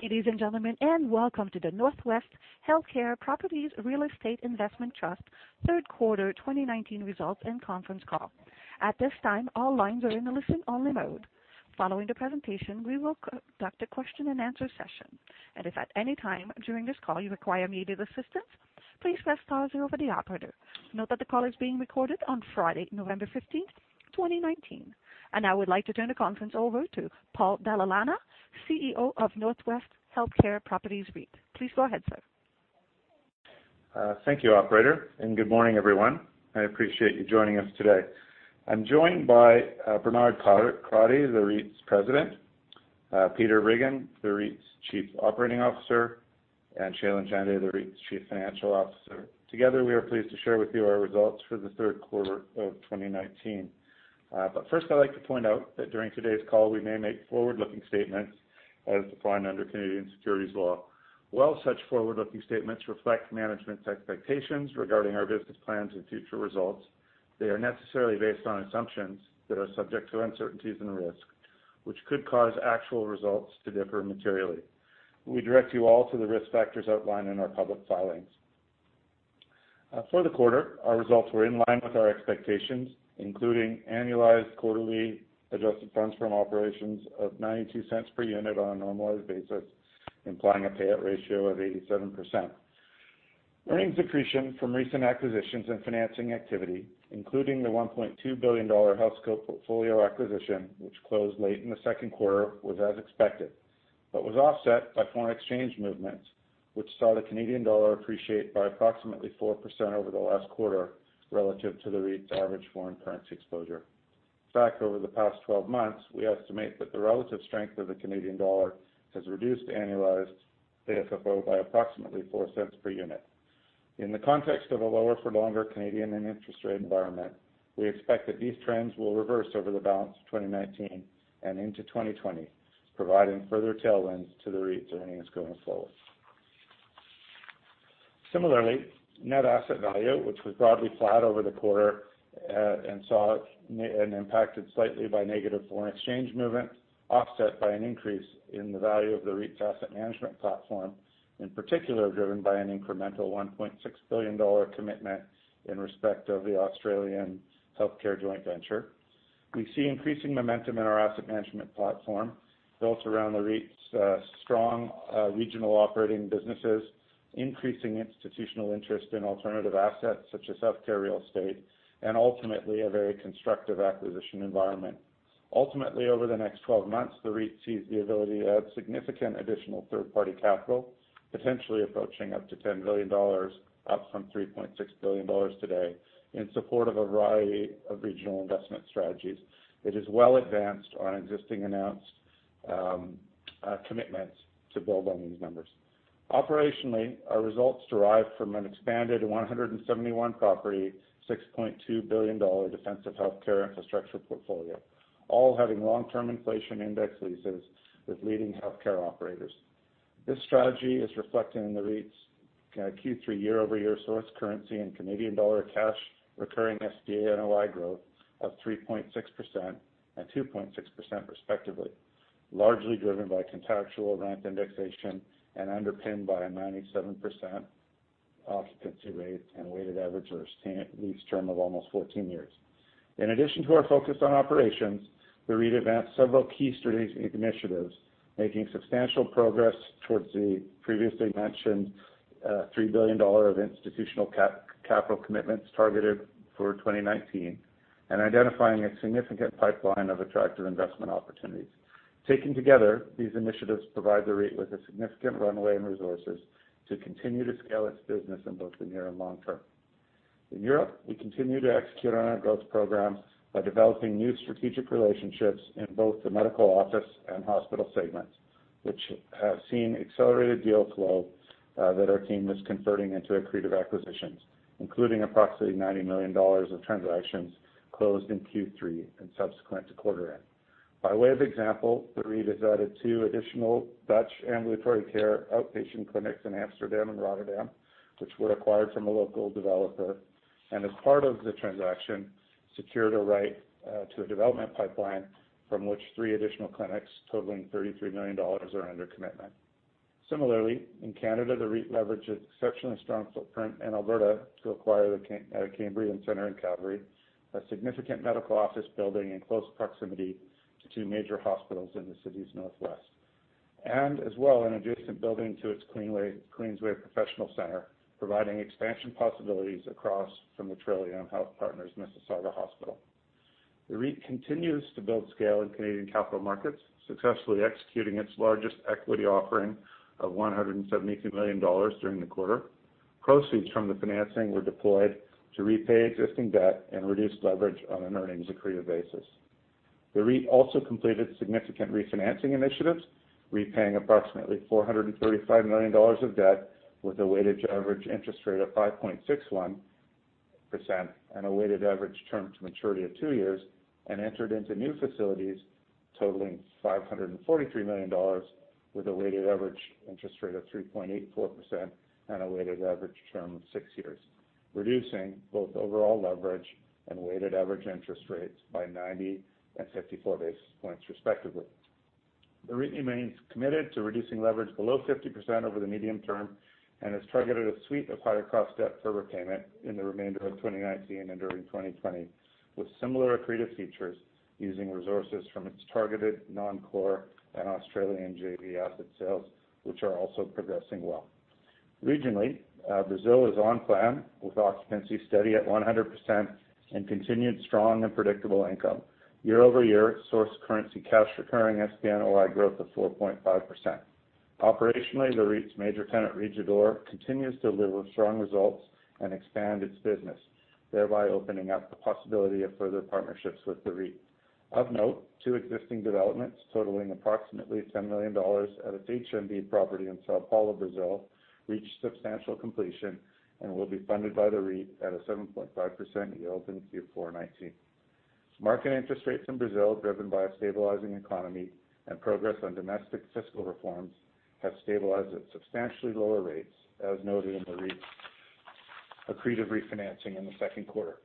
Ladies and gentlemen, welcome to the Northwest Healthcare Properties Real Estate Investment Trust third quarter 2019 results and conference call. At this time, all lines are in a listen-only mode. Following the presentation, we will conduct a question and answer session. If at any time during this call you require immediate assistance, please press star zero for the operator. Note that the call is being recorded on Friday, November 15th, 2019. I would like to turn the conference over to Paul Dalla Lana, CEO of Northwest Healthcare Properties REIT. Please go ahead, sir. Thank you, operator. Good morning, everyone. I appreciate you joining us today. I'm joined by Bernard Crotty, the REIT's president, Peter Riggin, the REIT's chief operating officer, and Shailen Chande, the REIT's chief financial officer. Together, we are pleased to share with you our results for the third quarter of 2019. First, I'd like to point out that during today's call, we may make forward-looking statements as defined under Canadian securities law. While such forward-looking statements reflect management's expectations regarding our business plans and future results, they are necessarily based on assumptions that are subject to uncertainties and risks, which could cause actual results to differ materially. We direct you all to the risk factors outlined in our public filings. For the quarter, our results were in line with our expectations, including annualized quarterly adjusted funds from operations of 0.92 per unit on a normalized basis, implying a payout ratio of 87%. Earnings accretion from recent acquisitions and financing activity, including the 1.2 billion dollar Healthscope portfolio acquisition, which closed late in the second quarter, was as expected, but was offset by foreign exchange movements, which saw the Canadian dollar appreciate by approximately 4% over the last quarter relative to the REIT's average foreign currency exposure. In fact, over the past 12 months, we estimate that the relative strength of the Canadian dollar has reduced annualized AFFO by approximately 0.04 per unit. In the context of a lower-for-longer Canadian and interest rate environment, we expect that these trends will reverse over the balance of 2019 and into 2020, providing further tailwinds to the REIT's earnings going forward. Similarly, net asset value, which was broadly flat over the quarter and impacted slightly by negative foreign exchange movement, offset by an increase in the value of the REIT's asset management platform, in particular, driven by an incremental 1.6 billion dollar commitment in respect of the Australian healthcare joint venture. We see increasing momentum in our asset management platform built around the REIT's strong regional operating businesses, increasing institutional interest in alternative assets such as healthcare real estate, and ultimately, a very constructive acquisition environment. Ultimately, over the next 12 months, the REIT sees the ability to add significant additional third-party capital, potentially approaching up to 10 billion dollars, up from 3.6 billion dollars today, in support of a variety of regional investment strategies. It is well advanced on existing announced commitments to build on these numbers. Operationally, our results derive from an expanded 171-property, CAD 6.2 billion defensive healthcare infrastructure portfolio, all having long-term inflation index leases with leading healthcare operators. This strategy is reflected in the REIT's Q3 year-over-year source currency and Canadian dollar cash recurring SPNOI growth of 3.6% and 2.6% respectively, largely driven by contractual rent indexation and underpinned by a 97% occupancy rate and weighted average lease term of almost 14 years. In addition to our focus on operations, the REIT advanced several key strategic initiatives, making substantial progress towards the previously mentioned 3 billion dollar of institutional capital commitments targeted for 2019 and identifying a significant pipeline of attractive investment opportunities. Taken together, these initiatives provide the REIT with a significant runway and resources to continue to scale its business in both the near and long term. In Europe, we continue to execute on our growth programs by developing new strategic relationships in both the medical office and hospital segments, which have seen accelerated deal flow that our team is converting into accretive acquisitions, including approximately 90 million dollars of transactions closed in Q3 and subsequent to quarter end. By way of example, the REIT has added two additional Dutch ambulatory care outpatient clinics in Amsterdam and Rotterdam, which were acquired from a local developer, and as part of the transaction, secured a right to a development pipeline from which three additional clinics totaling 33 million dollars are under commitment. Similarly, in Canada, the REIT leveraged its exceptionally strong footprint in Alberta to acquire the Cambrian Centre in Calgary, a significant medical office building in close proximity to two major hospitals in the city's northwest. As well, an adjacent building to its Queensway Professional Centre, providing expansion possibilities across from the Trillium Health Partners Mississauga Hospital. The REIT continues to build scale in Canadian capital markets, successfully executing its largest equity offering of 172 million dollars during the quarter. Proceeds from the financing were deployed to repay existing debt and reduce leverage on an earnings-accretive basis. The REIT also completed significant refinancing initiatives, repaying approximately 435 million dollars of debt with a weighted average interest rate of 5.61% and a weighted average term to maturity of two years. Entered into new facilities totaling 543 million dollars, with a weighted average interest rate of 3.84% and a weighted average term of six years. Reducing both overall leverage and weighted average interest rates by 90 and 54 basis points respectively. The REIT remains committed to reducing leverage below 50% over the medium term, and has targeted a suite of higher cost debt for repayment in the remainder of 2019 and during 2020, with similar accretive features using resources from its targeted non-core and Australian JV asset sales, which are also progressing well. Regionally, Brazil is on plan with occupancy steady at 100% and continued strong and predictable income. Year-over-year source currency cash recurring SPNOI growth of 4.5%. Operationally, the REIT's major tenant, Rede D'Or, continues to deliver strong results and expand its business, thereby opening up the possibility of further partnerships with the REIT. Of note, two existing developments totaling approximately 10 million dollars at its HMV property in São Paulo, Brazil, reached substantial completion and will be funded by the REIT at a 7.5% yield in Q4 2019. Market interest rates in Brazil, driven by a stabilizing economy and progress on domestic fiscal reforms, have stabilized at substantially lower rates, as noted in the REIT's accretive refinancing in the second quarter.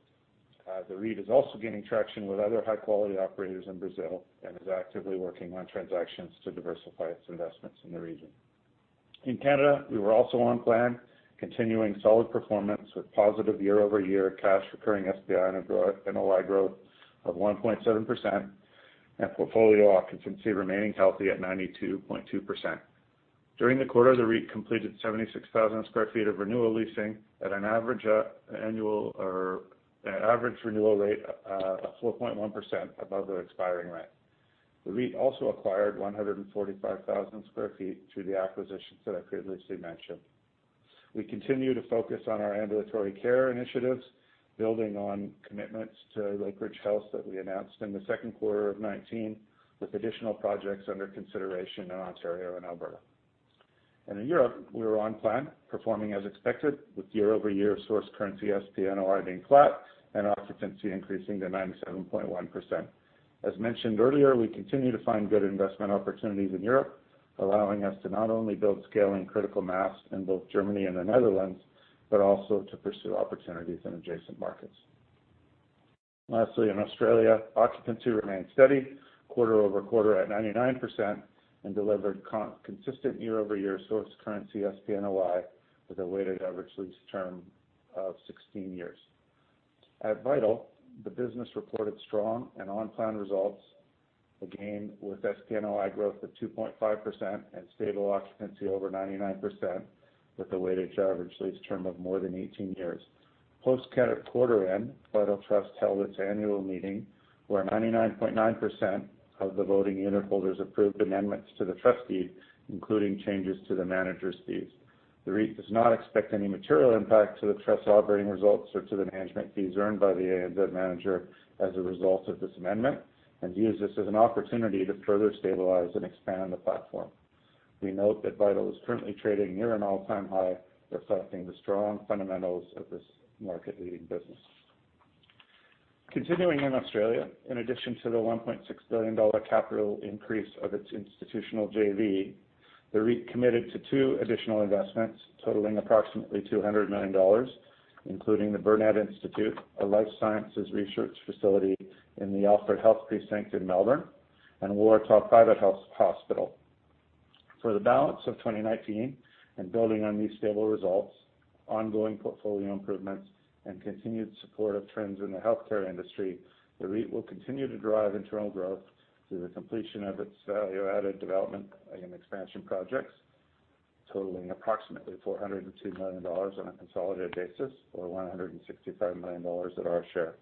The REIT is also gaining traction with other high-quality operators in Brazil and is actively working on transactions to diversify its investments in the region. In Canada, we were also on plan, continuing solid performance with positive year-over-year cash recurring SPNOI growth of 1.7% and portfolio occupancy remaining healthy at 92.2%. During the quarter, the REIT completed 76,000 sq ft of renewal leasing at an average renewal rate of 4.1% above the expiring rent. The REIT also acquired 145,000 sq ft through the acquisitions that I previously mentioned. We continue to focus on our ambulatory care initiatives, building on commitments to Lakeridge Health that we announced in the second quarter of 2019, with additional projects under consideration in Ontario and Alberta. In Europe, we were on plan, performing as expected with year-over-year source currency SPNOI being flat and occupancy increasing to 97.1%. As mentioned earlier, we continue to find good investment opportunities in Europe, allowing us to not only build scale and critical mass in both Germany and the Netherlands, but also to pursue opportunities in adjacent markets. Lastly, in Australia, occupancy remained steady quarter-over-quarter at 99% and delivered consistent year-over-year source currency SPNOI with a weighted average lease term of 16 years. At Vital, the business reported strong and on-plan results, again, with SPNOI growth of 2.5% and stable occupancy over 99% with a weighted average lease term of more than 18 years. Post quarter end, Vital Trust held its annual meeting, where 99.9% of the voting unit holders approved amendments to the trust deed, including changes to the managers' fees. The REIT does not expect any material impact to the trust operating results or to the management fees earned by the ANZ manager as a result of this amendment and views this as an opportunity to further stabilize and expand the platform. We note that Vital is currently trading near an all-time high, reflecting the strong fundamentals of this market-leading business. Continuing in Australia, in addition to the 1.6 billion dollar capital increase of its institutional JV, the REIT committed to two additional investments totaling approximately 200 million dollars, including the Burnet Institute, a life sciences research facility in the Alfred Health precinct in Melbourne, and Warringal Private Hospital. For the balance of 2019, and building on these stable results, ongoing portfolio improvements, and continued support of trends in the healthcare industry, the REIT will continue to drive internal growth through the completion of its value-added development and expansion projects totaling approximately 402 million dollars on a consolidated basis or 165 million dollars at our share.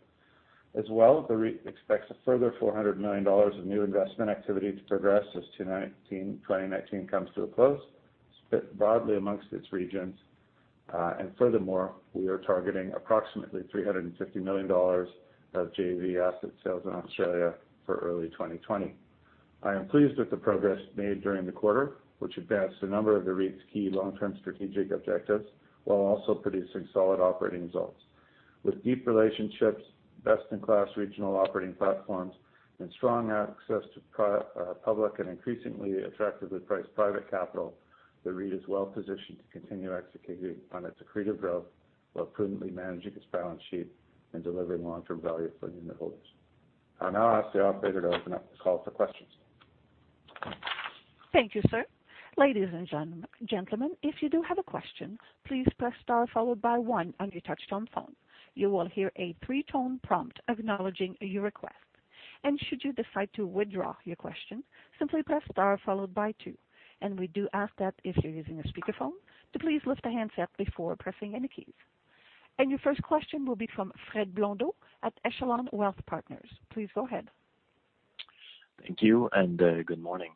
As well, the REIT expects a further 400 million dollars of new investment activity to progress as 2019 comes to a close, split broadly amongst its regions. Furthermore, we are targeting approximately 350 million dollars of JV asset sales in Australia for early 2020. I am pleased with the progress made during the quarter, which advanced a number of the REIT's key long-term strategic objectives while also producing solid operating results. With deep relationships, best-in-class regional operating platforms, and strong access to public and increasingly attractively priced private capital, the REIT is well-positioned to continue executing on its accretive growth while prudently managing its balance sheet and delivering long-term value for unitholders. I'll now ask the operator to open up the call for questions. Thank you, sir. Ladies and gentlemen, if you do have a question, please press star followed by 1 on your touch-tone phone. You will hear a three-tone prompt acknowledging your request. Should you decide to withdraw your question, simply press star followed by 2. We do ask that if you're using a speakerphone to please lift the handset before pressing any keys. Your first question will be from Fred Blondeau at Echelon Wealth Partners. Please go ahead. Thank you. Good morning.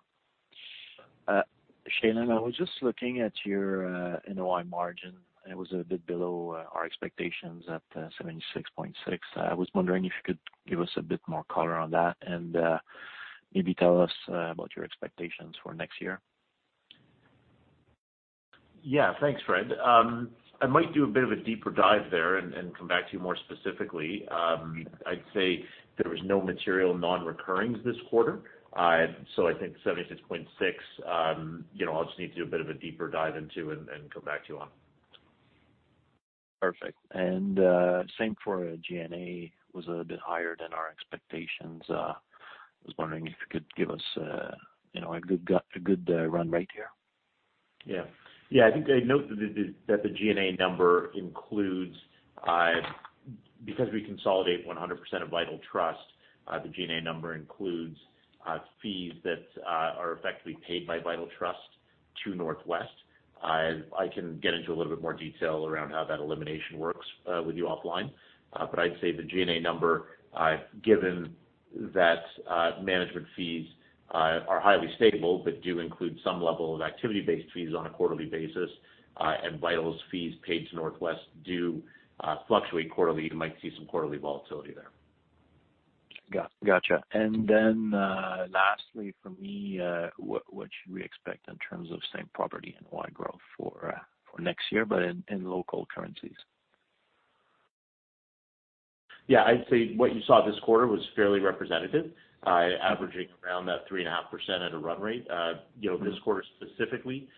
Shailen, I was just looking at your NOI margin, and it was a bit below our expectations at 76.6%. I was wondering if you could give us a bit more color on that and maybe tell us about your expectations for next year. Yeah. Thanks, Fred. I might do a bit of a deeper dive there and come back to you more specifically. I'd say there was no material non-recurring this quarter. I think 76.6, I'll just need to do a bit of a deeper dive into and come back to you on. Perfect. Same for G&A was a bit higher than our expectations. I was wondering if you could give us a good run rate here. Yeah. I think I'd note that because we consolidate 100% of Vital Trust, the G&A number includes fees that are effectively paid by Vital Trust to Northwest. I can get into a little bit more detail around how that elimination works with you offline. I'd say the G&A number, given that management fees are highly stable but do include some level of activity-based fees on a quarterly basis, and Vital's fees paid to Northwest do fluctuate quarterly, you might see some quarterly volatility there. Got you. Lastly from me, what should we expect in terms of same property NOI growth for next year, but in local currencies? I'd say what you saw this quarter was fairly representative, averaging around that 3.5% at a run rate. This quarter specifically,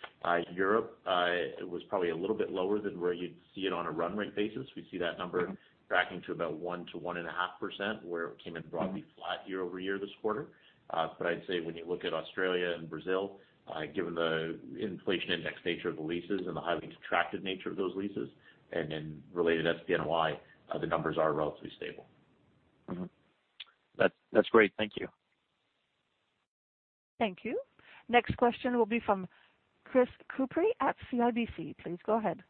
Europe, it was probably a little bit lower than where you'd see it on a run rate basis. We see that number backing to about 1%-1.5%, where it came in broadly flat year-over-year this quarter. I'd say when you look at Australia and Brazil, given the inflation index nature of the leases and the highly extractive nature of those leases, and then related to SPNOI, the numbers are relatively stable. That's great. Thank you. Thank you. Next question will be from Chris Couprie at CIBC. Please go ahead.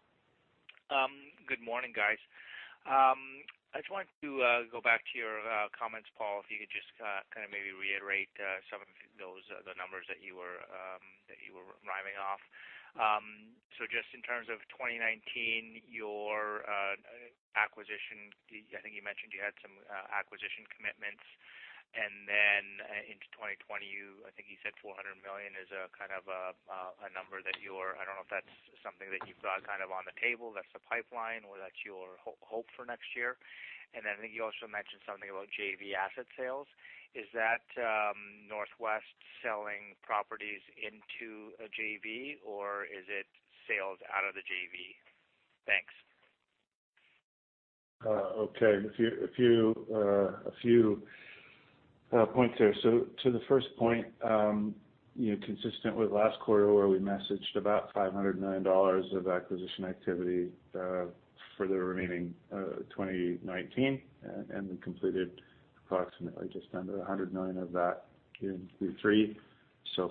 Good morning, guys. I just wanted to go back to your comments, Paul, if you could just maybe reiterate some of the numbers that you were rhyming off. Just in terms of 2019, your acquisition, I think you mentioned you had some acquisition commitments, into 2020, I think you said 400 million is a number that I don't know if that's something that you've got on the table, that's the pipeline, or that's your hope for next year. I think you also mentioned something about JV asset sales. Is that Northwest selling properties into a JV, or is it sales out of the JV? Thanks. Okay. A few points there. To the first point, consistent with last quarter where we messaged about 500 million dollars of acquisition activity for the remaining 2019, and then completed approximately just under 100 million of that in Q3.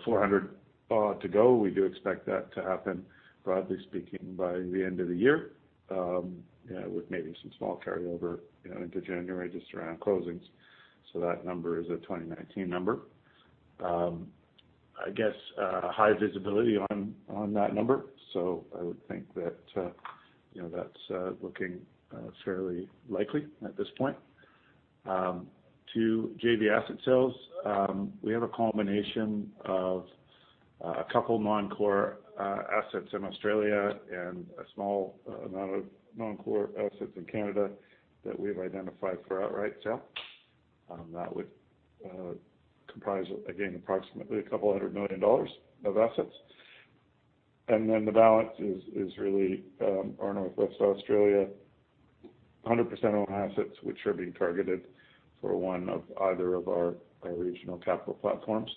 400 million to go. We do expect that to happen, broadly speaking, by the end of the year, with maybe some small carryover into January, just around closings. That number is a 2019 number. I guess, high visibility on that number. I would think that's looking fairly likely at this point. To JV asset sales, we have a combination of a couple non-core assets in Australia and a small amount of non-core assets in Canada that we've identified for outright sale. That would comprise, again, approximately 200 million dollars of assets. The balance is really our Northwest Australia 100% owned assets, which are being targeted for one of either of our regional capital platforms.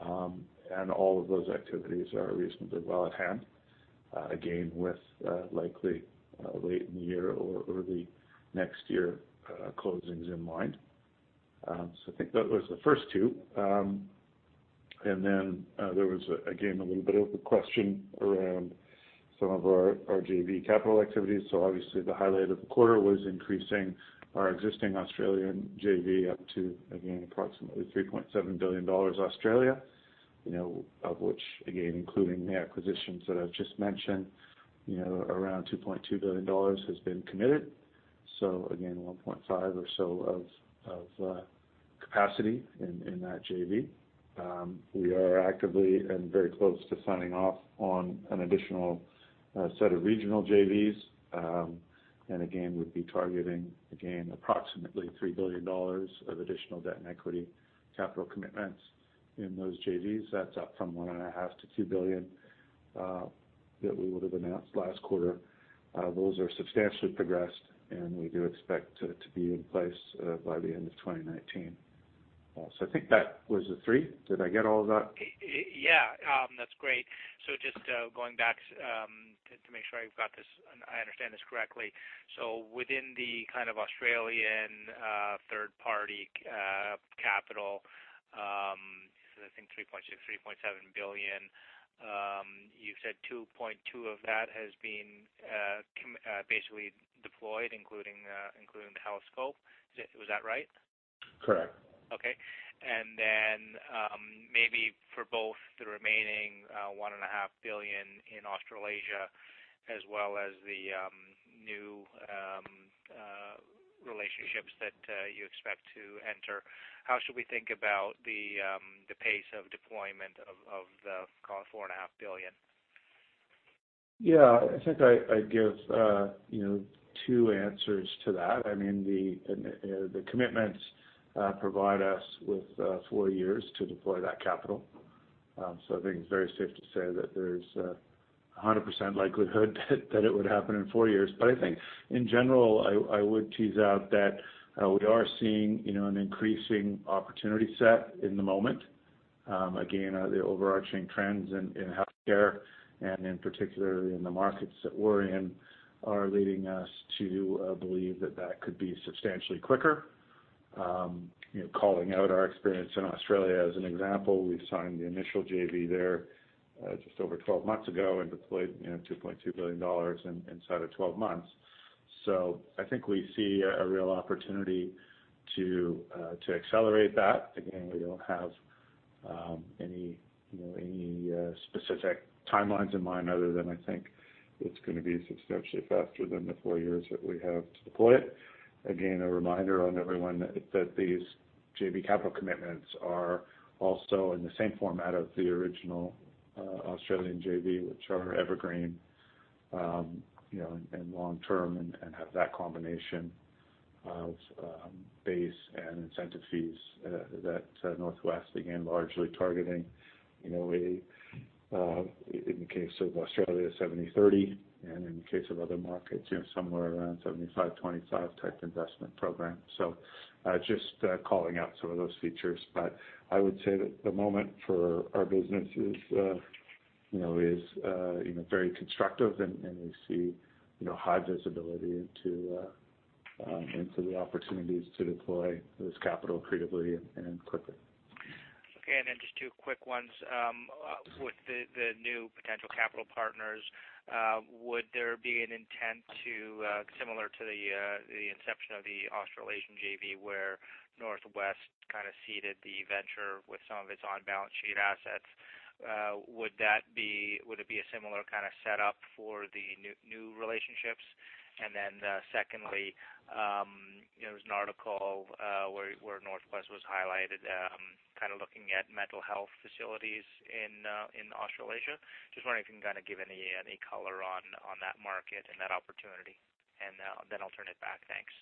All of those activities are reasonably well at hand, again, with likely late in the year or early next year closings in mind. I think that was the first two. There was, again, a little bit of a question around some of our JV capital activities. Obviously the highlight of the quarter was increasing our existing Australian JV up to, again, approximately 3.7 billion dollars, of which, again, including the acquisitions that I've just mentioned, around 2.2 billion dollars has been committed. Again, 1.5 billion or so of capacity in that JV. We are actively and very close to signing off on an additional set of regional JVs. Again, we'd be targeting, again, approximately 3 billion dollars of additional debt and equity capital commitments in those JVs. That's up from 1.5 billion-2 billion that we would have announced last quarter. Those are substantially progressed. We do expect to be in place by the end of 2019. Paul, I think that was the three. Did I get all of that? Yeah. That's great. Just going back to make sure I've got this and I understand this correctly. Within the kind of Australian third-party capital, I think 3.6 billion, 3.7 billion, you said 2.2 billion of that has been basically deployed, including Healthscope. Was that right? Correct. Okay. Then maybe for both the remaining 1.5 billion in Australasia as well as the new relationships that you expect to enter, how should we think about the pace of deployment of the call it 4.5 billion? Yeah. I think I'd give two answers to that. The commitments provide us with four years to deploy that capital. So I think it's very safe to say that there's 100% likelihood that it would happen in four years. I think in general, I would tease out that we are seeing an increasing opportunity set in the moment. Again, the overarching trends in healthcare, and in particular in the markets that we're in, are leading us to believe that that could be substantially quicker. Calling out our experience in Australia as an example, we signed the initial JV there just over 12 months ago and deployed 2.2 billion dollars inside of 12 months. I think we see a real opportunity to accelerate that. We don't have any specific timelines in mind other than, I think, it's going to be substantially faster than the four years that we have to deploy it. A reminder on everyone that these JV capital commitments are also in the same format of the original Australian JV, which are evergreen, and long-term and have that combination of base and incentive fees that Northwest, again, largely targeting, in the case of Australia, 70/30, and in the case of other markets, somewhere around 75/25 type investment program. Just calling out some of those features. I would say that the moment for our business is very constructive, and we see high visibility into the opportunities to deploy this capital creatively and quickly. Okay, just two quick ones. With the new potential capital partners, would there be an intent to, similar to the inception of the Australasian JV, where Northwest kind of seeded the venture with some of its on-balance sheet assets. Would it be a similar kind of setup for the new relationships? Secondly, there was an article where Northwest was highlighted, kind of looking at mental health facilities in Australasia. Just wondering if you can kind of give any color on that market and that opportunity, and then I'll turn it back. Thanks.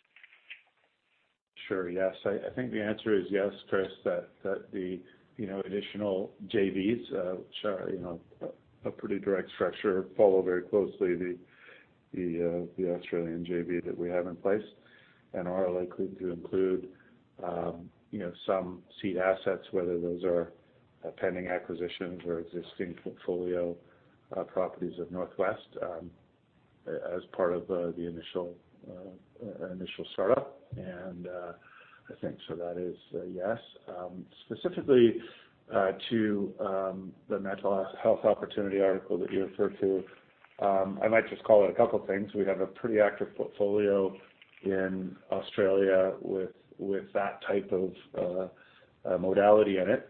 Sure. Yes. I think the answer is yes, Chris, that the additional JVs, which are a pretty direct structure, follow very closely the Australian JV that we have in place and are likely to include some seed assets, whether those are pending acquisitions or existing portfolio properties of Northwest, as part of the initial startup. I think that is a yes. Specifically to the mental health opportunity article that you referred to, I might just call out a couple of things. We have a pretty active portfolio in Australia with that type of modality in it,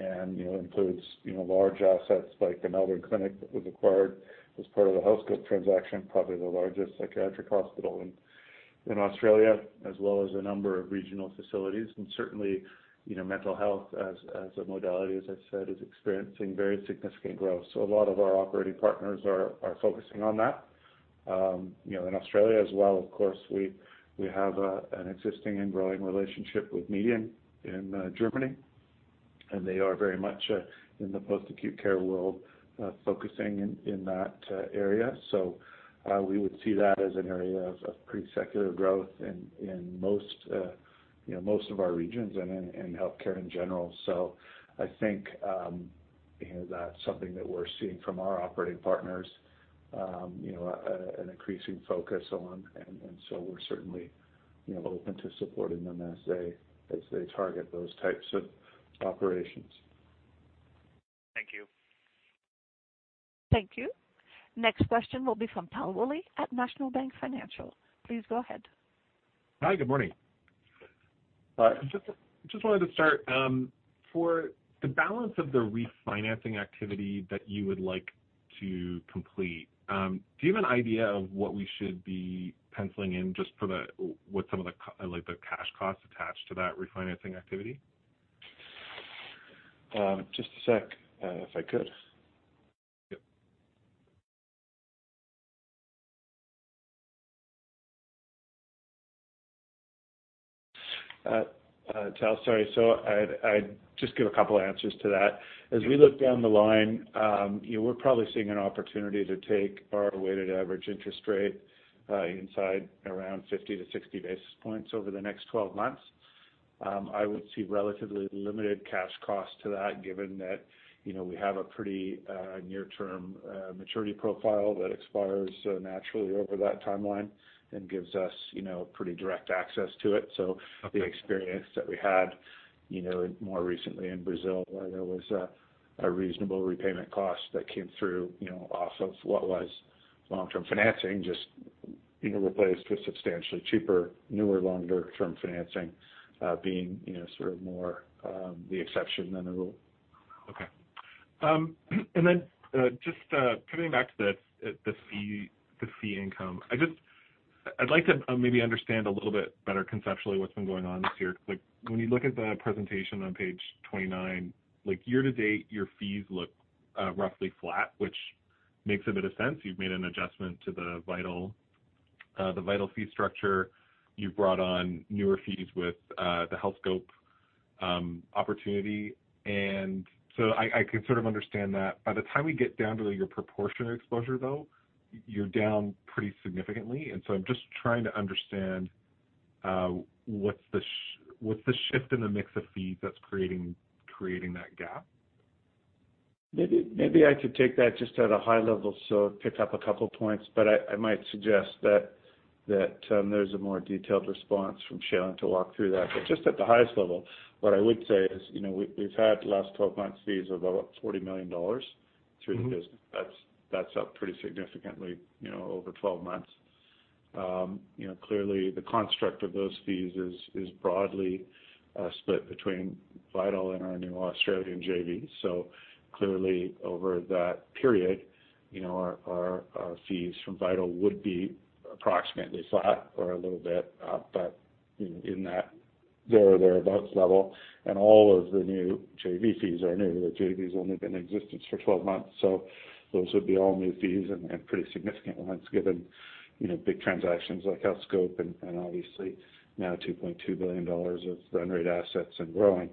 and includes large assets like The Melbourne Clinic that was acquired as part of the Healthscope transaction, probably the largest psychiatric hospital in Australia, as well as a number of regional facilities. Certainly, mental health as a modality, as I've said, is experiencing very significant growth. A lot of our operating partners are focusing on that in Australia as well, of course. We have an existing and growing relationship with MEDIAN in Germany, and they are very much in the post-acute care world, focusing in that area. We would see that as an area of pretty secular growth in most of our regions and in healthcare in general. I think that's something that we're seeing from our operating partners, an increasing focus on, and so we're certainly open to supporting them as they target those types of operations. Thank you. Thank you. Next question will be from Tal Woolley at National Bank Financial. Please go ahead. Hi, good morning. Just wanted to start. For the balance of the refinancing activity that you would like to complete, do you have an idea of what we should be penciling in, just for what some of the cash costs attached to that refinancing activity? Just a sec, if I could. Yep. Tal, sorry. I'd just give a couple of answers to that. As we look down the line, we're probably seeing an opportunity to take our weighted average interest rate inside around 50 to 60 basis points over the next 12 months. I would see relatively limited cash cost to that, given that we have a pretty near-term maturity profile that expires naturally over that timeline and gives us pretty direct access to it. The experience that we had more recently in Brazil, where there was a reasonable repayment cost that came through off of what was long-term financing, just being replaced with substantially cheaper, newer, longer-term financing being sort of more the exception than the rule. Okay. Just coming back to the fee income. I'd like to maybe understand a little bit better conceptually what's been going on this year. When you look at the presentation on page 29, year to date, your fees look roughly flat, which makes a bit of sense. You've made an adjustment to the Vital fee structure, you've brought on newer fees with the Healthscope opportunity. I can sort of understand that. By the time we get down to your proportionate exposure, though, you're down pretty significantly. I'm just trying to understand what's the shift in the mix of fees that's creating that gap? Maybe I could take that just at a high level, so it picks up a couple points, but I might suggest that there's a more detailed response from Shailen to walk through that. Just at the highest level, what I would say is we've had the last 12 months' fees of about 40 million dollars through the business. That's up pretty significantly over 12 months. Clearly the construct of those fees is broadly split between Vital and our new Australian JV. Clearly over that period, our fees from Vital would be approximately flat or a little bit up, but in that there or thereabouts level, and all of the new JV fees are new. The JV's only been in existence for 12 months, so those would be all new fees and pretty significant ones given big transactions like Healthscope and obviously now 2.2 billion dollars of run rate assets and growing.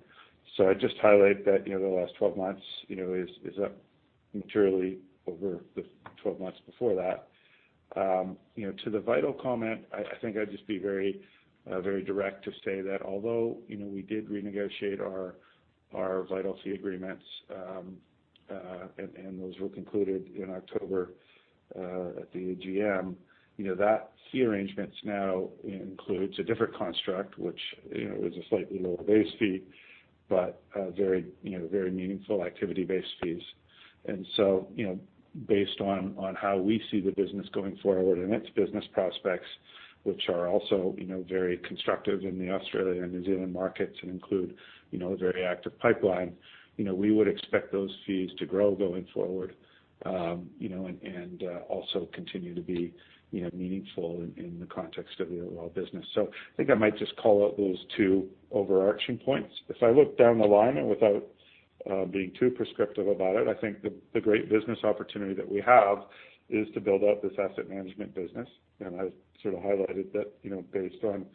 I'd just highlight that the last 12 months is up materially over the 12 months before that. To the Vital comment, I think I'd just be very direct to say that although we did renegotiate our Vital fee agreements, and those were concluded in October at the AGM. That fee arrangement now includes a different construct, which is a slightly lower base fee, but very meaningful activity-based fees. Based on how we see the business going forward and its business prospects, which are also very constructive in the Australia and New Zealand markets and include a very active pipeline, we would expect those fees to grow going forward. Also continue to be meaningful in the context of the overall business. I think I might just call out those two overarching points. If I look down the line and without being too prescriptive about it, I think the great business opportunity that we have is to build out this asset management business. I've sort of highlighted that based on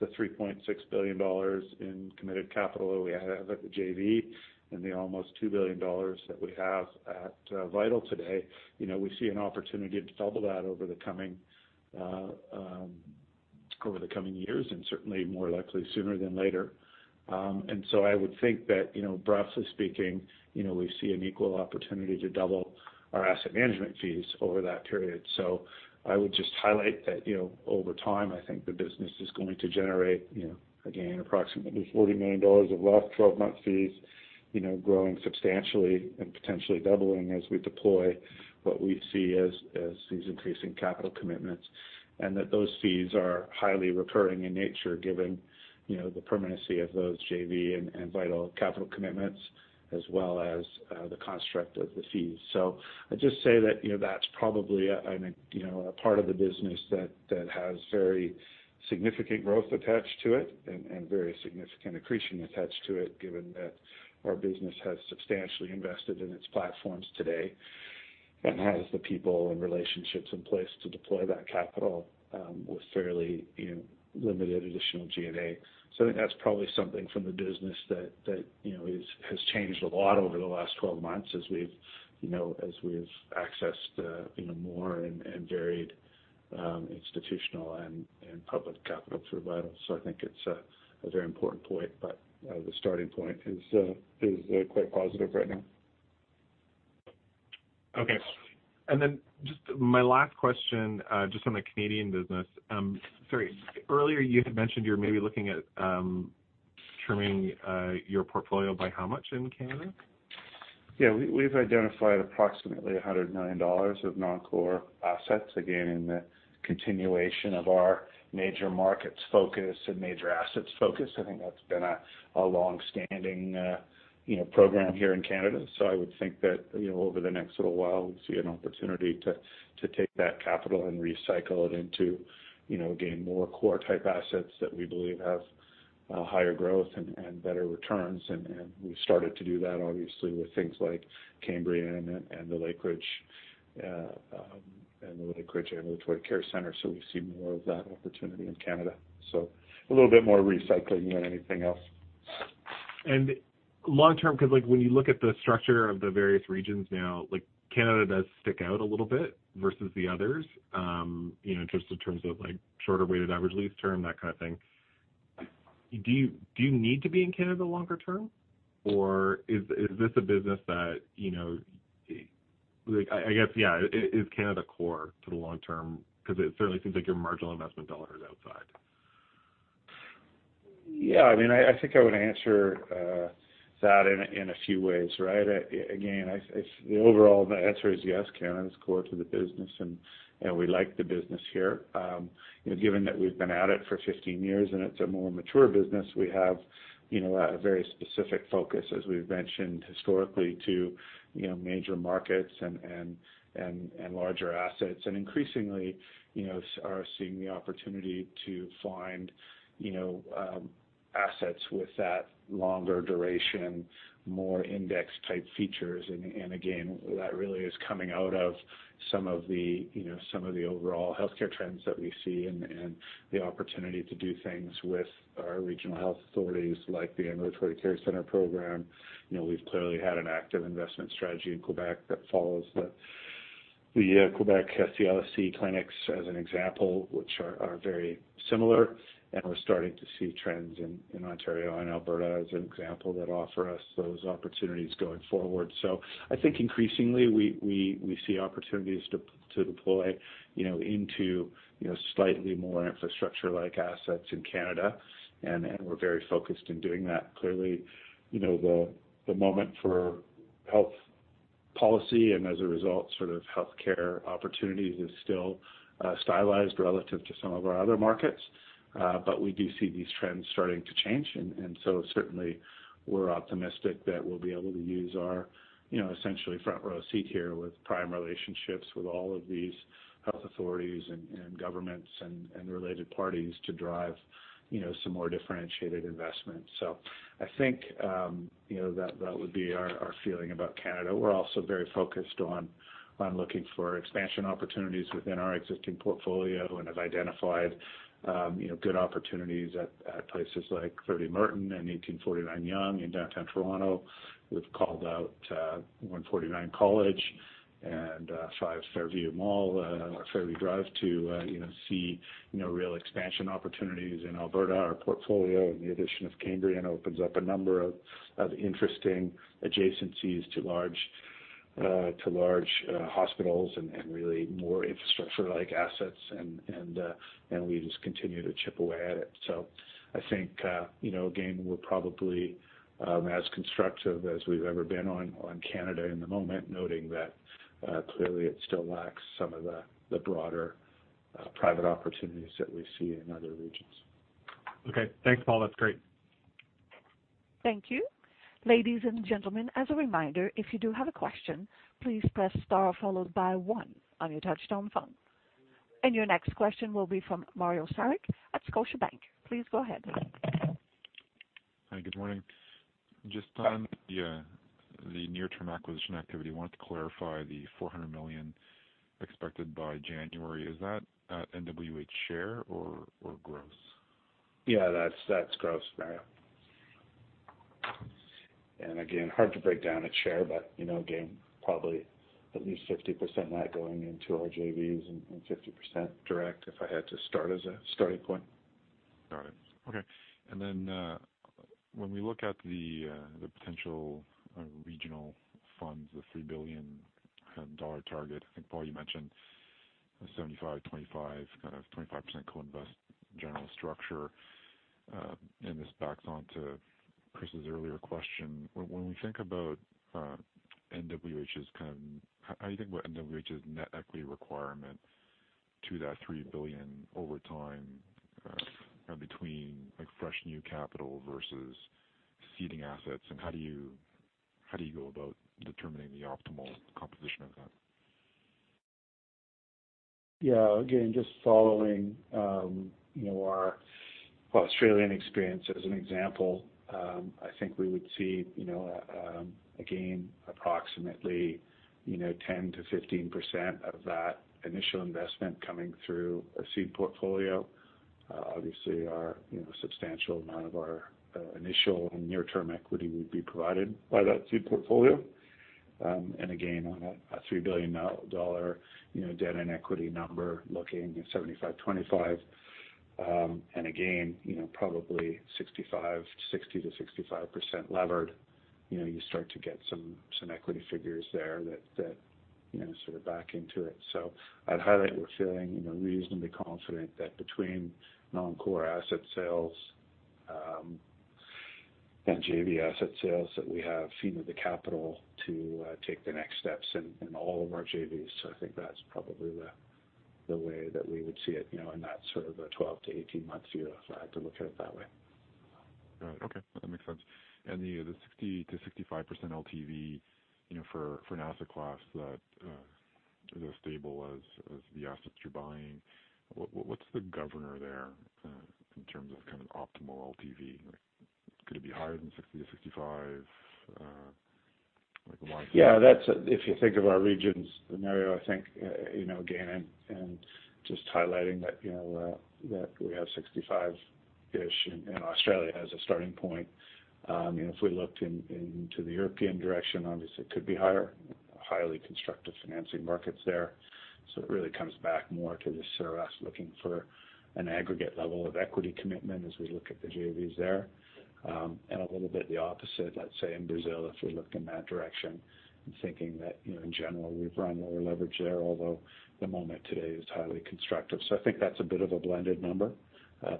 the 3.6 billion dollars in committed capital that we have at the JV and the almost 2 billion dollars that we have at Vital today. We see an opportunity to double that over the coming years and certainly more likely sooner than later. I would think that, broadly speaking, we see an equal opportunity to double our asset management fees over that period. I would just highlight that, over time, I think the business is going to generate again, approximately 40 million dollars of last 12-month fees. Growing substantially and potentially doubling as we deploy what we see as these increasing capital commitments, and that those fees are highly recurring in nature given the permanency of those JV and Vital capital commitments as well as the construct of the fees. I'd just say that's probably a part of the business that has very significant growth attached to it and very significant accretion attached to it, given that our business has substantially invested in its platforms today and has the people and relationships in place to deploy that capital with fairly limited additional G&A. I think that's probably something from the business that has changed a lot over the last 12 months as we've accessed more and varied institutional and public capital through Vital. I think it's a very important point, but the starting point is quite positive right now. Okay. Just my last question, just on the Canadian business. Sorry, earlier you had mentioned you were maybe looking at trimming your portfolio by how much in Canada? Yeah. We've identified approximately 100 million dollars of non-core assets, again, in the continuation of our major markets focus and major assets focus. I think that's been a longstanding program here in Canada. I would think that over the next little while, we see an opportunity to take that capital and recycle it into, again, more core type assets that we believe have higher growth and better returns. We've started to do that obviously with things like Cambrian and the Lakeridge Ambulatory Care Center. We see more of that opportunity in Canada. A little bit more recycling than anything else. Long term, because when you look at the structure of the various regions now, Canada does stick out a little bit versus the others. Just in terms of shorter weighted average lease term, that kind of thing. Do you need to be in Canada longer term? Is this a business that I guess, yeah, is Canada core to the long term? It certainly seems like your marginal investment dollar is outside. Yeah, I think I would answer that in a few ways, right? Again, the overall answer is yes, Canada is core to the business and we like the business here. Given that we've been at it for 15 years and it's a more mature business, we have a very specific focus, as we've mentioned historically to major markets and larger assets and increasingly are seeing the opportunity to find assets with that longer duration, more index-type features. Again, that really is coming out of some of the overall healthcare trends that we see and the opportunity to do things with our regional health authorities, like the Ambulatory Care Center Program. We've clearly had an active investment strategy in Quebec that follows the Quebec CLSC clinics, as an example, which are very similar, and we're starting to see trends in Ontario and Alberta as an example, that offer us those opportunities going forward. I think increasingly, we see opportunities to deploy into slightly more infrastructure-like assets in Canada, and we're very focused in doing that. Clearly the moment for health policy, and as a result, sort of healthcare opportunities, is still stylized relative to some of our other markets. We do see these trends starting to change, and so certainly, we're optimistic that we'll be able to use our essentially front-row seat here with prime relationships with all of these health authorities and governments and related parties to drive some more differentiated investments. I think that would be our feeling about Canada. We're also very focused on looking for expansion opportunities within our existing portfolio and have identified good opportunities at places like 30 Merton and 1849 Yonge in downtown Toronto. We've called out 149 College and five Fairview Mall, Fairview Drive to see real expansion opportunities in Alberta. Our portfolio and the addition of Cambrian opens up a number of interesting adjacencies to large hospitals and really more infrastructure-like assets, and we just continue to chip away at it. I think, again, we're probably as constructive as we've ever been on Canada in the moment, noting that clearly it still lacks some of the broader private opportunities that we see in other regions. Okay. Thanks, Paul. That's great. Thank you. Ladies and gentlemen, as a reminder, if you do have a question, please press star followed by one on your touch-tone phone. Your next question will be from Mario Saric at Scotiabank. Please go ahead. Hi, good morning. Just on the near-term acquisition activity, I wanted to clarify the 400 million expected by January. Is that at NWH share or gross? Yeah, that's gross, Mario. Again, hard to break down a share, but again, probably at least 50% of that going into our JVs and 50% direct if I had to start as a starting point. Got it. Okay. When we look at the potential regional funds, the 3 billion dollar target, I think, Paul, you mentioned a 75/25, kind of 25% coinvest general structure. This backs on to Chris's earlier question. When we think about NWH, how do you think about NWH's net equity requirement to that 3 billion over time between fresh new capital versus seeding assets? How do you go about determining the optimal composition of that? Just following our Australian experience as an example, I think we would see again, approximately 10%-15% of that initial investment coming through a seed portfolio. Obviously, a substantial amount of our initial and near-term equity would be provided by that seed portfolio. On a 3 billion dollar debt and equity number, looking at 75/25, and again, probably 60%-65% levered. You start to get some equity figures there that sort of back into it. I'd highlight, we're feeling reasonably confident that between non-core asset sales and JV asset sales, that we have the capital to take the next steps in all of our JVs. I think that's probably the way that we would see it in that sort of a 12- to 18-month view, if I had to look at it that way. All right. Okay. No, that makes sense. The 60%-65% LTV for an asset class that is as stable as the assets you're buying, what's the governor there in terms of kind of optimal LTV? Could it be higher than 60%-65%? Yeah. If you think of our regions, Mario, I think again, and just highlighting that we have 65-ish in Australia as a starting point. If we looked into the European direction, obviously it could be higher. Highly constructive financing markets there. It really comes back more to just sort of us looking for an aggregate level of equity commitment as we look at the JVs there. A little bit the opposite, let's say, in Brazil, if we look in that direction and thinking that in general, we've run lower leverage there, although the moment today is highly constructive. I think that's a bit of a blended number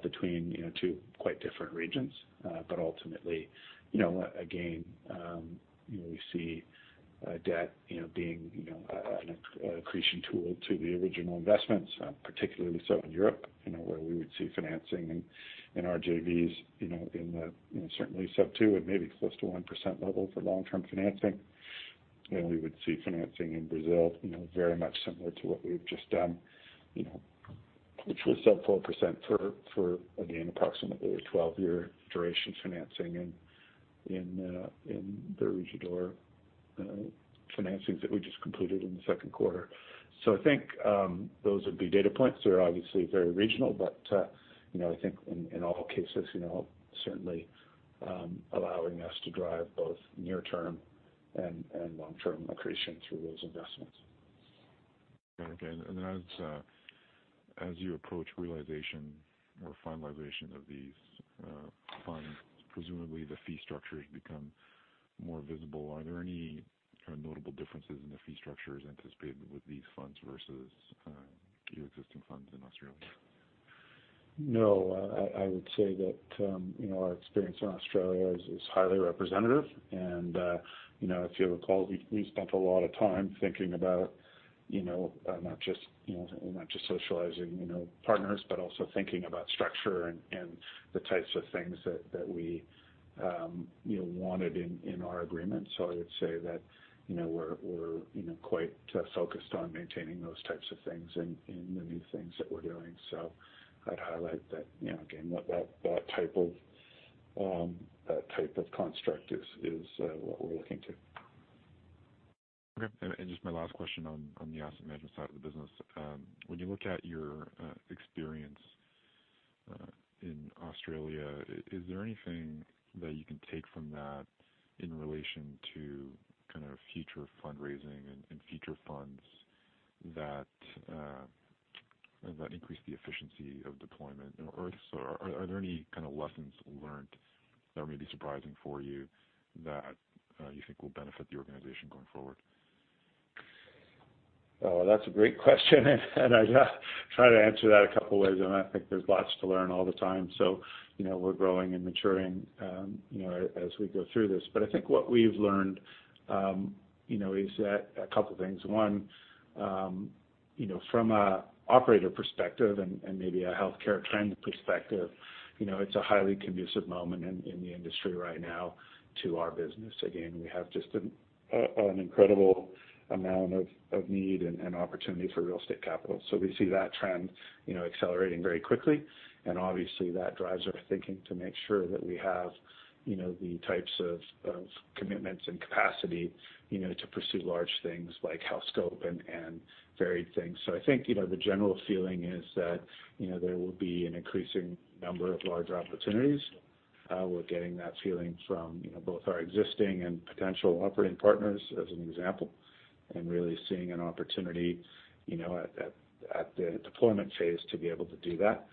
between two quite different regions. Ultimately, again, we see debt being an accretion tool to the original investments. Particularly so in Europe, where we would see financing in our JVs in the, certainly sub-2% and maybe close to 1% level for long-term financing. We would see financing in Brazil very much similar to what we've just done, which was sub 4% for, again, approximately a 12-year duration financing in the Rede D'Or financings that we just completed in the second quarter. I think those would be data points. They're obviously very regional, but I think in all cases, certainly allowing us to drive both near-term and long-term accretion through those investments. Okay. As you approach realization or finalization of these funds, presumably the fee structure has become more visible. Are there any notable differences in the fee structures anticipated with these funds versus your existing funds in Australia? No, I would say that our experience in Australia is highly representative. If you recall, we spent a lot of time thinking about not just socializing partners, but also thinking about structure and the types of things that we wanted in our agreement. I would say that we're quite focused on maintaining those types of things in the new things that we're doing. I'd highlight that, again, that type of construct is what we're looking to. Okay. Just my last question on the asset management side of the business. When you look at your experience in Australia, is there anything that you can take from that in relation to future fundraising and future funds that increase the efficiency of deployment? Or are there any lessons learned that were maybe surprising for you that you think will benefit the organization going forward? That's a great question. I'd try to answer that a couple ways. I think there's lots to learn all the time. We're growing and maturing as we go through this. I think what we've learned is a couple of things. One, from an operator perspective and maybe a healthcare trend perspective, it's a highly conducive moment in the industry right now to our business. Again, we have just an incredible amount of need and opportunity for real estate capital. We see that trend accelerating very quickly, and obviously that drives our thinking to make sure that we have the types of commitments and capacity to pursue large things like Healthscope and varied things. I think, the general feeling is that there will be an increasing number of larger opportunities. We're getting that feeling from both our existing and potential operating partners, as an example, and really seeing an opportunity at the deployment phase to be able to do that.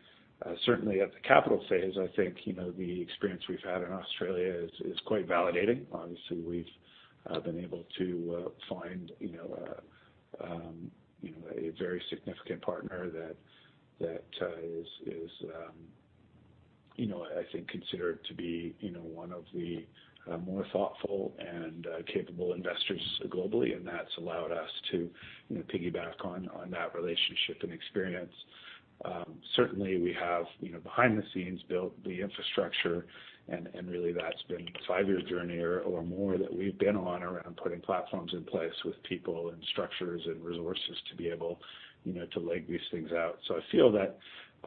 Certainly, at the capital phase, I think, the experience we've had in Australia is quite validating. Obviously, we've been able to find a very significant partner that is, I think, considered to be one of the more thoughtful and capable investors globally. That's allowed us to piggyback on that relationship and experience. Certainly, we have, behind the scenes, built the infrastructure, and really that's been a five-year journey or more that we've been on around putting platforms in place with people and structures and resources to be able to leg these things out. I feel that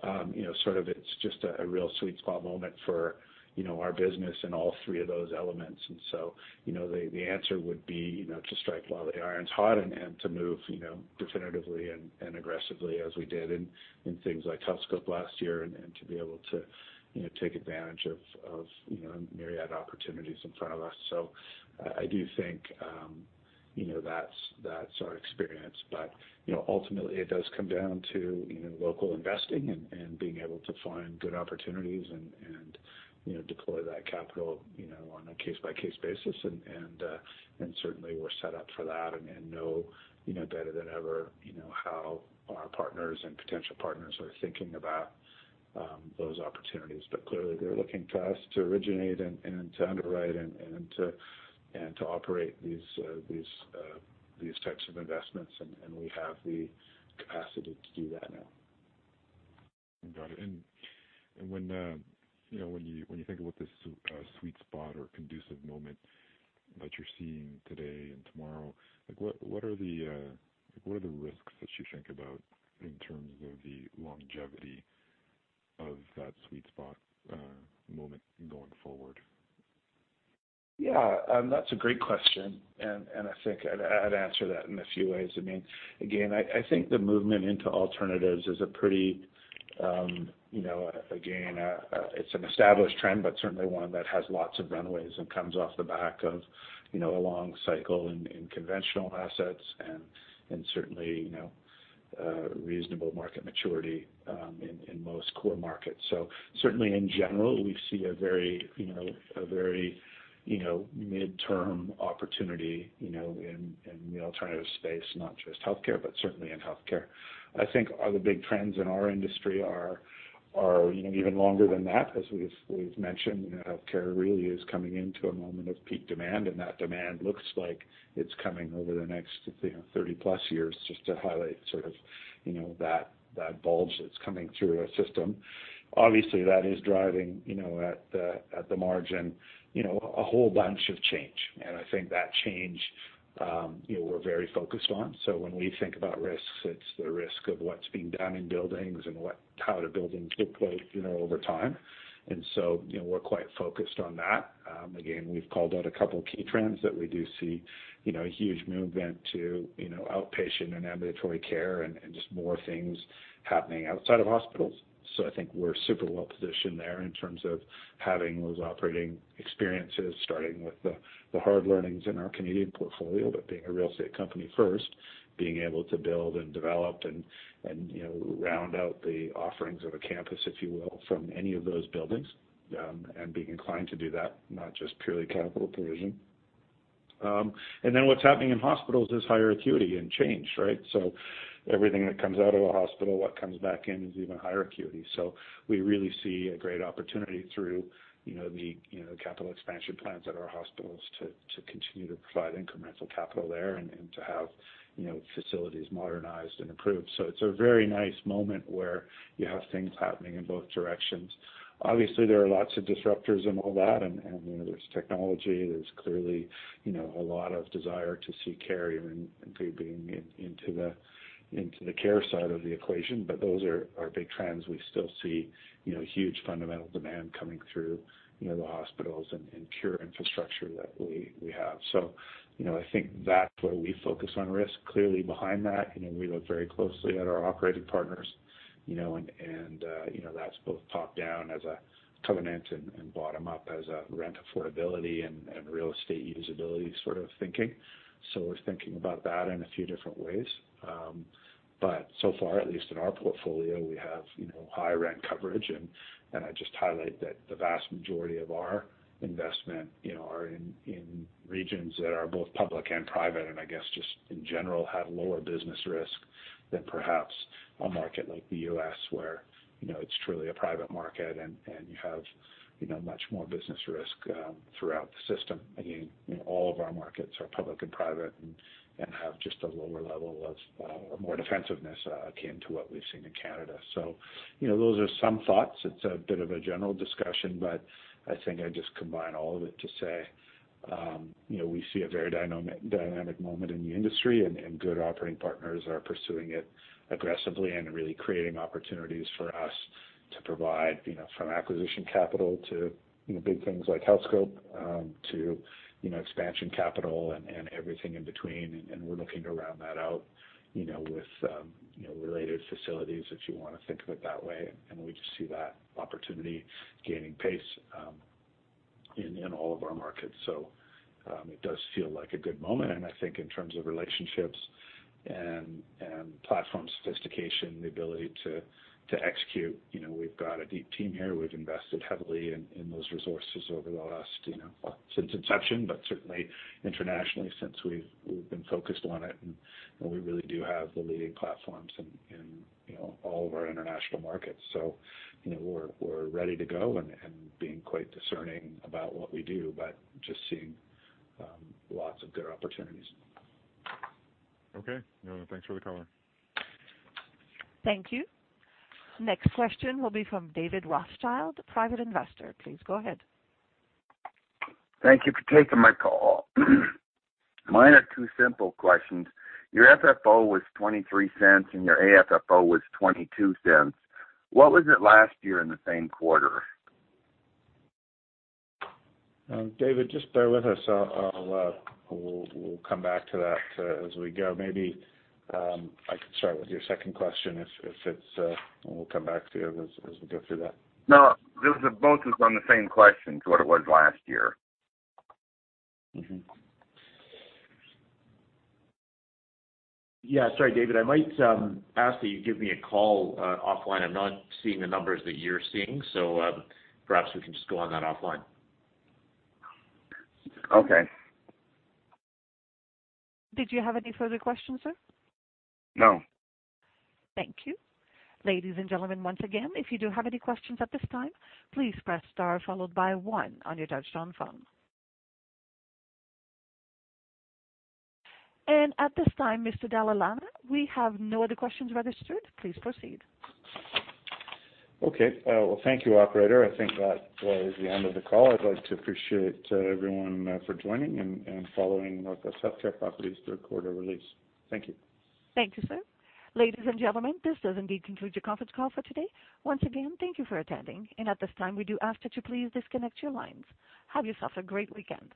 it's just a real sweet spot moment for our business and all three of those elements. The answer would be to strike while the iron's hot and to move definitively and aggressively as we did in things like Healthscope last year and to be able to take advantage of myriad opportunities in front of us. I do think that's our experience. Ultimately, it does come down to local investing and being able to find good opportunities and deploy that capital on a case-by-case basis. Certainly, we're set up for that and know better than ever how our partners and potential partners are thinking about those opportunities. Clearly, they're looking to us to originate and to underwrite and to operate these types of investments, and we have the capacity to do that now. Got it. When you think about this sweet spot or conducive moment that you're seeing today and tomorrow, what are the risks that you think about in terms of the longevity of that sweet spot moment going forward? Yeah, that's a great question, and I think I'd answer that in a few ways. Again, I think the movement into alternatives is a pretty established trend, but certainly one that has lots of runways and comes off the back of a long cycle in conventional assets and certainly reasonable market maturity in most core markets. Certainly in general, we see a very midterm opportunity in the alternative space, not just healthcare, but certainly in healthcare. I think the big trends in our industry are even longer than that. As we've mentioned, healthcare really is coming into a moment of peak demand, and that demand looks like it's coming over the next 30 plus years, just to highlight that bulge that's coming through our system. Obviously, that is driving, at the margin, a whole bunch of change. I think that change we're very focused on. When we think about risks, it's the risk of what's being done in buildings and how do buildings deplete over time. We're quite focused on that. Again, we've called out a couple of key trends that we do see, a huge movement to outpatient and ambulatory care and just more things happening outside of hospitals. I think we're super well-positioned there in terms of having those operating experiences, starting with the hard learnings in our Canadian portfolio, but being a real estate company first, being able to build and develop and round out the offerings of a campus, if you will, from any of those buildings, and being inclined to do that, not just purely capital provision. What's happening in hospitals is higher acuity and change. Everything that comes out of a hospital, what comes back in is even higher acuity. We really see a great opportunity through the capital expansion plans at our hospitals to continue to provide incremental capital there and to have facilities modernized and improved. It's a very nice moment where you have things happening in both directions. Obviously, there are lots of disruptors and all that, and there's technology. There's clearly a lot of desire to see care even creeping into the care side of the equation. Those are our big trends. We still see huge fundamental demand coming through the hospitals and pure infrastructure that we have. I think that's where we focus on risk. Clearly behind that, we look very closely at our operating partners. That's both top-down as a covenant and bottom-up as a rent affordability and real estate usability sort of thinking. We're thinking about that in a few different ways. So far, at least in our portfolio, we have high rent coverage, and I just highlight that the vast majority of our investment are in regions that are both public and private, and I guess just in general have lower business risk than perhaps a market like the U.S. where it's truly a private market, and you have much more business risk throughout the system. Again, all of our markets are public and private and have just a lower level of, or more defensiveness akin to what we've seen in Canada. Those are some thoughts. I think I just combine all of it to say, we see a very dynamic moment in the industry, good operating partners are pursuing it aggressively and really creating opportunities for us to provide from acquisition capital to big things like Healthscope, to expansion capital and everything in between. We're looking to round that out with related facilities if you want to think of it that way. We just see that opportunity gaining pace in all of our markets. It does feel like a good moment. I think in terms of relationships and platform sophistication, the ability to execute, we've got a deep team here. We've invested heavily in those resources over the last Well, since inception, but certainly internationally, since we've been focused on it, and we really do have the leading platforms in all of our international markets. We're ready to go and being quite discerning about what we do, but just seeing lots of good opportunities. Okay. No, thanks for the color. Thank you. Next question will be from David Rothschild, private investor. Please go ahead. Thank you for taking my call. Mine are two simple questions. Your FFO was 0.23 and your AFFO was 0.22. What was it last year in the same quarter? David, just bear with us. We'll come back to that as we go. Maybe I can start with your second question, and we'll come back to the other as we go through that. No, both is on the same question, to what it was last year. Yeah, sorry, David. I might ask that you give me a call offline. I'm not seeing the numbers that you're seeing, so perhaps we can just go on that offline. Okay. Did you have any further questions, sir? No. Thank you. Ladies and gentlemen, once again, if you do have any questions at this time, please press star followed by one on your touch-tone phone. At this time, Mr. Dalla Lana, we have no other questions registered. Please proceed. Okay. Well, thank you, operator. I think that was the end of the call. I'd like to appreciate everyone for joining and following Northwest Healthcare Properties' third quarter release. Thank you. Thank you, sir. Ladies and gentlemen, this does indeed conclude your conference call for today. Once again, thank you for attending. At this time, we do ask that you please disconnect your lines. Have yourself a great weekend.